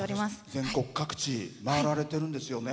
全国各地回られてるんですよね。